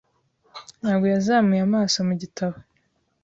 Ntabwo yazamuye amaso mu gitabo.